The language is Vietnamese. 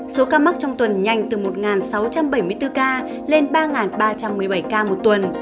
số ca mắc trong tuần nhanh từ một sáu trăm bảy mươi bốn ca lên ba ba trăm một mươi bảy ca một tuần